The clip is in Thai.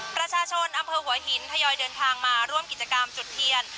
ประชาชนอำเภอหัวหินทยอยเดินทางมาร่วมกิจกรรมจุดเทียน